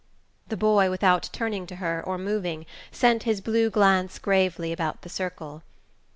The boy, without turning to her, or moving, sent his blue glance gravely about the circle.